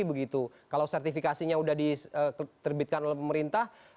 begitu kalau sertifikasinya sudah diterbitkan oleh pemerintah